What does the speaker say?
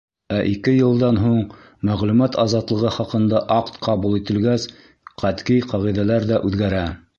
Ә ике йылдан һуң мәғлүмәт азатлығы хаҡында акт ҡабул ителгәс, ҡәтғи ҡағиҙәләр ҙә үҙгәрә.